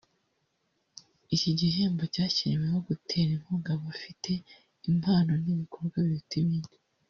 Iki gihembo cyashyiriweho gutera inkunga abafite impano n’ ibikorwa biruta ibindi